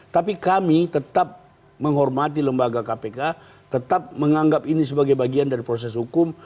tapi kami tetap menghormati lembaga kpk tetap menganggap ini sebagai bagian dari proses hukum